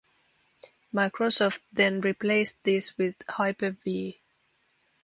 Microsoft then replaced this with Hyper-V.